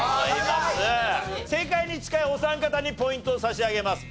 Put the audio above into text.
正解に近いお三方にポイントを差し上げます。